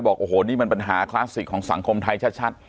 บอกโอ้โหนี่มันปัญหาคลาสสิกของสังคมไทยชัด